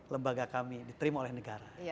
lembaga kami diterima oleh negara